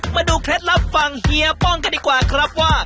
เคล็ดลับฝั่งเฮียป้องกันดีกว่าครับว่า